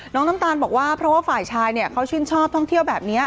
น้ำตาลบอกว่าเพราะว่าฝ่ายชายเขาชื่นชอบท่องเที่ยวแบบนี้